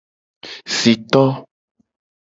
Esito.